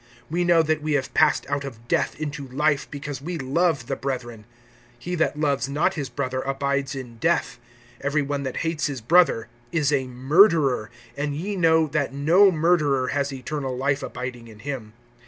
(14)We know that we have passed out of death into life, because we love the brethren. He that loves not his brother[3:14] abides in death. (15)Every one that hates his brother is a murderer[3:15]; and ye know that no murderer has eternal life abiding in him.